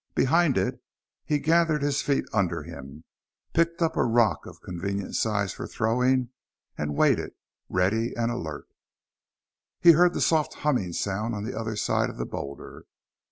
Behind it, he gathered his feet under him, picked up a rock of convenient size for throwing, and waited, ready and alert. He heard the soft humming sound on the other side of the boulder.